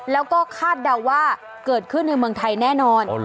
แล้วก็คาดเดาว่าเกิดขึ้นในเมืองไทยแน่นอน